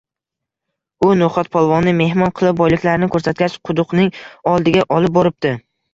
U no’xatpolvonni mehmon qilib, boyliklarini ko’rsatgach, quduqning oldiga olib boripti